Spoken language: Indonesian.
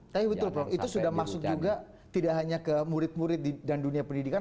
tapi betul prof itu sudah masuk juga tidak hanya ke murid murid dan dunia pendidikan